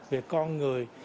về con người